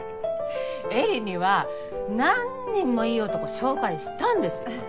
絵里には何人もいい男紹介したんです。